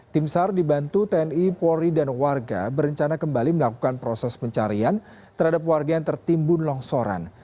tim sar dibantu tni polri dan warga berencana kembali melakukan proses pencarian terhadap warga yang tertimbun longsoran